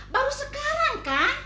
baru sekarang kan